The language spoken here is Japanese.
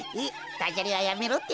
ダジャレはやめろってか？